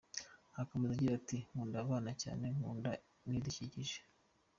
Akomeza agira ati “Nkunda abana cyane, ngakunda n’ibidukikije.